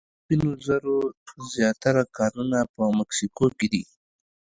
د سپینو زرو زیاتره کانونه په مکسیکو کې دي.